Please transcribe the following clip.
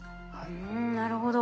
うんなるほど。